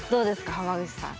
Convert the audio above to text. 濱口さん。